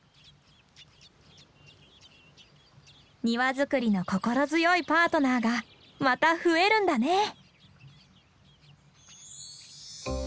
庭作りの心強いパートナーがまた増えるんだね。